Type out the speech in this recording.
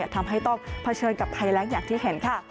ทำให้ต้องเผชิญกับภัยแรงอย่างที่เห็นค่ะ